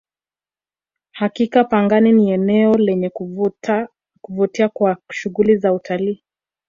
hakika pangani ni eneo lenye kuvutia kwa shughuli za utalii